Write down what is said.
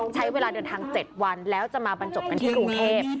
ใช้เวลาเดินทาง๗วันแล้วจะมาบรรจบกันที่กรุงเทพ